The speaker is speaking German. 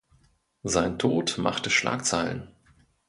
Sein Tod machte Schlagzeilen.